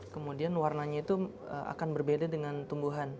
kemudian warnanya itu akan berbeda dengan tumbuhan